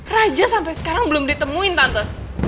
raja sampai sekarang belum ditemuin tante